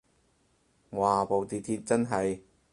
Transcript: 嘩部地鐵真係